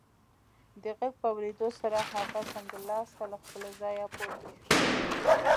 د غږ په اورېدو سره هغه سمدلاسه له خپله ځايه پورته شو